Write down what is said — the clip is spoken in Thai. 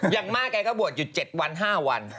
อย่างมากแกก็บวชอยู่๗วัน๕วัน